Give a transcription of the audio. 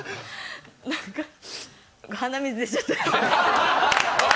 なんか、鼻水出ちゃった。